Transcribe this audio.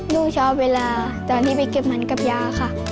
ลูกชอบเวลาตอนที่ไปเก็บมันกับยาค่ะ